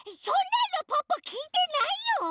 そんなのポッポきいてないよ！